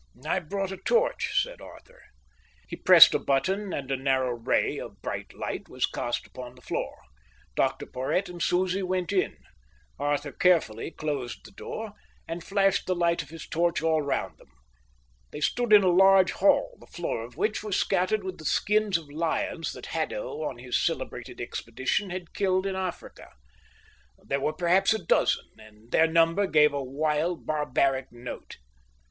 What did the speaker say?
"I've brought a torch," said Arthur. He pressed a button, and a narrow ray of bright light was cast upon the floor. Dr Porhoët and Susie went in. Arthur carefully closed the door, and flashed the light of his torch all round them. They stood in a large hall, the floor of which was scattered with the skins of lions that Haddo on his celebrated expedition had killed in Africa. There were perhaps a dozen, and their number gave a wild, barbaric note.